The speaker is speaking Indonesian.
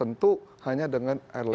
tentu hanya dengan airline tertentu